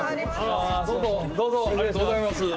どうぞどうぞありがとうございます。